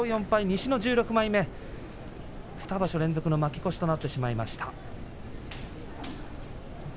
西の１６枚目２場所連続の負け越しとなってしまいました。